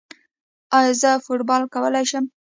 ایا زه فوټبال کولی شم؟